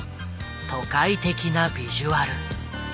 都会的なビジュアル。